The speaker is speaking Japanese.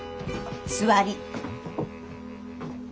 座り。